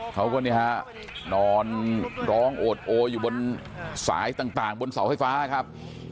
เขาก็เนี่ยฮะนอนร้องโอดโออยู่บนสายต่างบนเสาไฟฟ้าครับ